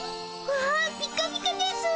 わあピカピカですぅ。